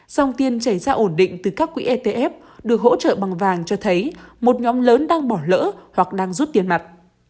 dòng tiền chảy ra ổn định từ các quỹ etf được hỗ trợ bằng vàng cho thấy một nhóm lớn đang bỏ lỡ hoặc đang rút tiền mặt